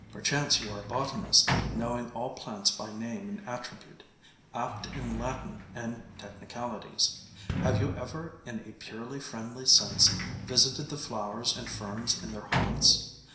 Perchance you are a botanist, knowing all plants by name and attribute, apt in Latin and techni calities; have you ever in a purely friendly sense visited the flowers and ferns in their haunts